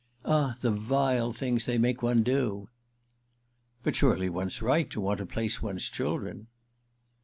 Ah the vile things they make one do!" "But surely one's right to want to place one's children."